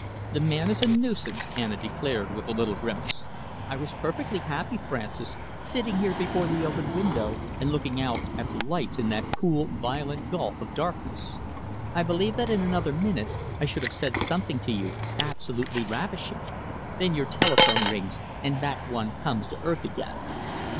"The man is a nuisance," Anna declared, with a little grimace. "I was perfectly happy, Francis, sitting here before the open window and looking out at the lights in that cool, violet gulf of darkness. I believe that in another minute I should have said something to you absolutely ravishing. Then your telephone rings and back one comes to earth again!"